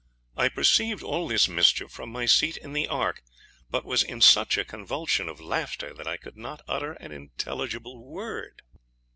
_ I perceived all this mischief from my seat in the ark, but was in such a convulsion of laughter that I could not utter an intelligible word.